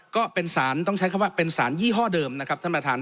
ก็เป็นสารต้องใช้คำว่าเป็นสารยี่ห้อเดิมนะครับท่านประธาน